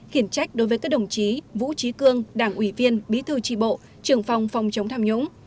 khiển trách đối với các đồng chí vũ trí cương đảng ủy viên bí thư tri bộ trưởng phòng phòng chống tham nhũng